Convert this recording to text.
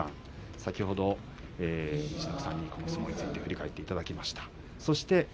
先ほど陸奥さんにこの相撲について振り返っていただきました。